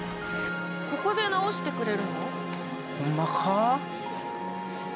ここで直してくれるの？ホンマか？